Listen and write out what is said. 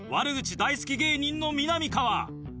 大好き芸人のみなみかわ。